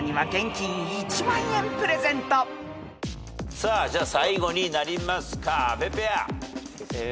［そして］じゃあ最後になりますか阿部ペア。